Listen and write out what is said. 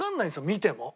見ても。